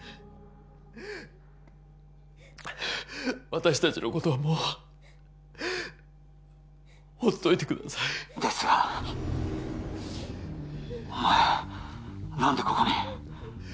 私達のことはもうほっといてくださいですがお前何でここに？